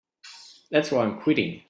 That's why I'm quitting.